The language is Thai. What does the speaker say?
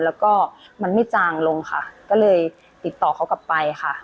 แล้วก็มันไม่จางลงค่ะก็เลยติดต่อเขากลับไปค่ะ